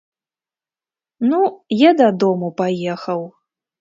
Ну, я дадому паехаў.